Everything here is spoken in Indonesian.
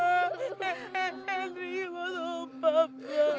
hendrik ibu lupa papa